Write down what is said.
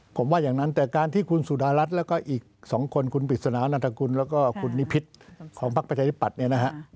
ผมว่าอย่างนั้นแต่การที่คุณสุดารัฐแล้วก็อีกสองคนคุณปิศนาวนาธกุลแล้วก็คุณนิพิษของภาคประชานิปัตย์